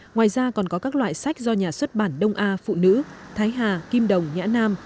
ngoài ra còn có các loại sách do nhà xuất bản đông a phụ nữ thái hà kim đồng nhã nam